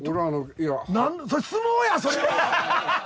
それ相撲やそれは。